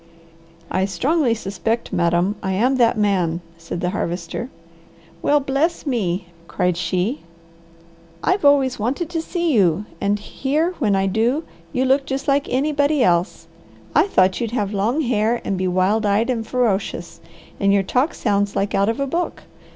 "I strongly suspect madam, I am that man," said the Harvester. "Well bless me!" cried she. "I've always wanted to see you and here when I do, you look just like anybody else. I thought you'd have long hair, and be wild eyed and ferocious. And your talk sounds like out of a book.